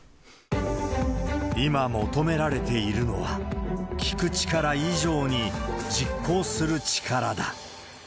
今求められているのは、聞く力以上に、実行する力だ。